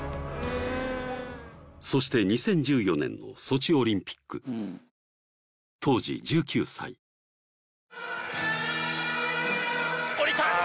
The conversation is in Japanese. そして２０１４年のソチオリンピック当時１９歳降りた！